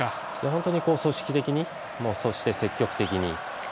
本当に組織的にそして、積極的に。